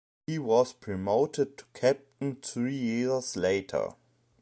He was promoted to captain three years later.